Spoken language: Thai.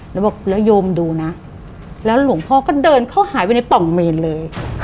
แล้วบอกแล้วโยมดูนะแล้วหลวงพ่อก็เดินเข้าหายไปในป่องเมนเลย